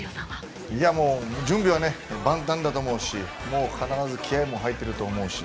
準備は万端だと思うしもう気合いも入っていると思うし。